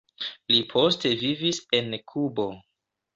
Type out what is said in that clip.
Li poste vivis en Kubo.